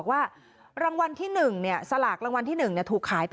เขาก็บ่ายดุ่งตลอดอะไรเนี่ยเขา